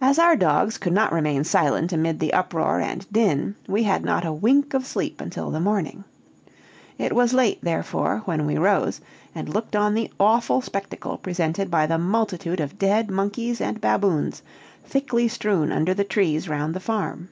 "As our dogs could not remain silent amid the uproar and din, we had not a wink of sleep until the morning. It was late, therefore, when we rose, and looked on the awful spectacle presented by the multitude of dead monkeys and baboons thickly strewn under the trees round the farm.